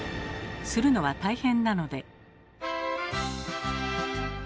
するのは大変なので。